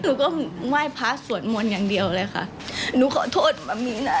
หนูก็ไหว้พระสวรรค์มนตร์อย่างเดียวเลยค่ะหนูขอโทษมันมีหน้าที่